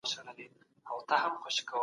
کروندګر او مالداران هم په ټولنه کي دي.